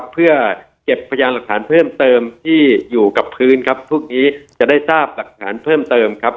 เพิ่มเติมที่อยู่กับพื้นครับพวกนี้จะได้ทราบหลักฐานเพิ่มเติมครับ